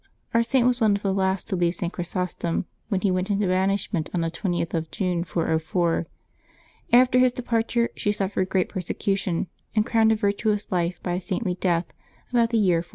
Our Saint was one of the last to leave St. Chrysostom when he went into banishment on the 20th of June, 404. After his departure she suffered great per secution, and crowned a virtuous life by a saintly death, about the year 410.